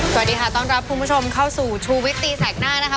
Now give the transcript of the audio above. สวัสดีค่ะต้อนรับคุณผู้ชมเข้าสู่ชูวิตตีแสกหน้านะคะ